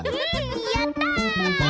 やった！